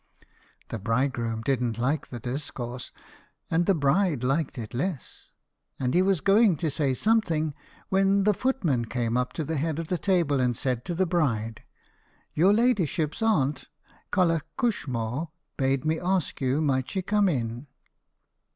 The bridegroom didn't like the discourse, and the bride liked it less, and he was going to say something, when the footman came up to the head of the table and said to the bride, "Your ladyship's aunt, Colliach Cushmōr, bade me ask might she come in."